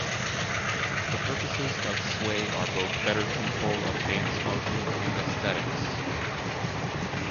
The purposes of sway are both better control of dance motion and aesthetics.